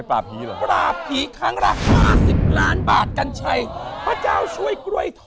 อ่าครับมหาทาง